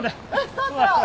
そうそう。